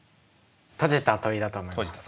閉じた問いだと思います。